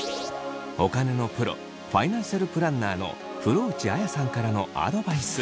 お金のプロファイナンシャルプランナーの風呂内亜矢さんからのアドバイス。